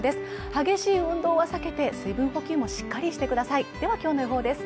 激しい運動は避けて水分補給もしっかりしてくださいではきょうの予報です